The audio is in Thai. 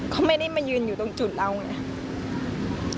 เขาไม่ได้มายืนอยู่ตรงจุดเราไง